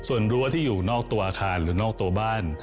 ส่วนรั้วที่อยู่นอกตัวอาคารหรือนอกตัวบ้าน